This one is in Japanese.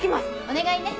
お願いね。